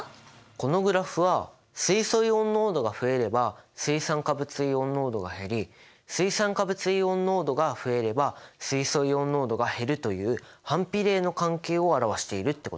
このグラフは水素イオン濃度が増えれば水酸化物イオン濃度が減り水酸化物イオン濃度が増えれば水素イオン濃度が減るという反比例の関係を表しているってことだね。